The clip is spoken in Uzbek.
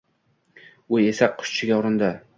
U esa quchishga urindi